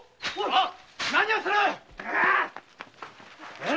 あっ！